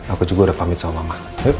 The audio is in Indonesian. aku juga udah pamit sama mama